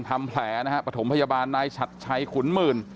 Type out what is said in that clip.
ทำแผลนะฮะประถมพยาบาลนายฉัดชัยขุนหมื่น